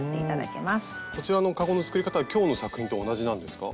こちらのかごの作り方は今日の作品と同じなんですか？